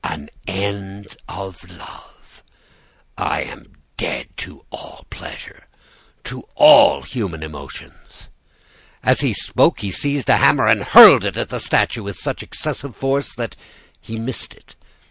"'An end of love! I am dead to all pleasure, to all human emotions!' "As he spoke, he seized a hammer and hurled it at the statue with such excessive force that he missed it.